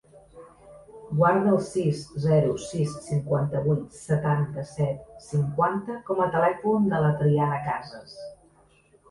Guarda el sis, zero, sis, cinquanta-vuit, setanta-set, cinquanta com a telèfon de la Triana Casas.